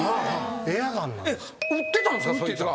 撃ってたんですか？